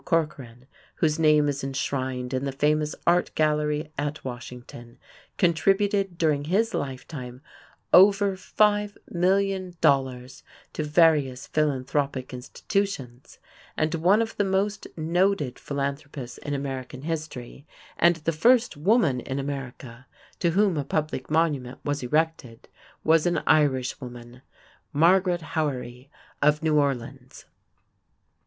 Corcoran, whose name is enshrined in the famous Art Gallery at Washington, contributed during his lifetime over five million dollars to various philanthropic institutions; and one of the most noted philanthropists in American history, and the first woman in America to whom a public monument was erected, was an Irishwoman, Margaret Haughery of New Orleans.